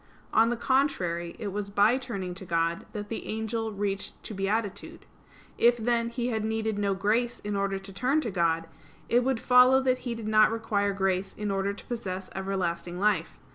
On the contrary, It was by turning to God that the angel reached to beatitude. If, then, he had needed no grace in order to turn to God, it would follow that he did not require grace in order to possess everlasting life.